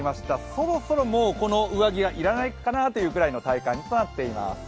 そろそろ、もうこの上着は要らないかなというくらいの体感になっています。